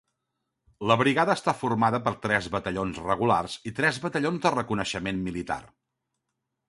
La brigada està formada per tres batallons regulars i tres batallons de reconeixement militar.